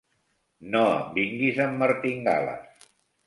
No em vinguis amb martingales.